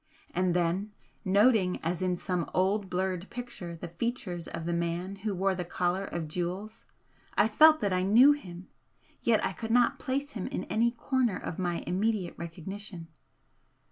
And then noting as in some old blurred picture the features of the man who wore the collar of jewels, I felt that I knew him yet I could not place him in any corner of my immediate recognition.